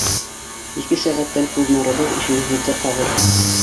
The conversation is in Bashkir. Ике сәғәттән күҙ нурығыҙ ишегегеҙҙе ҡағыр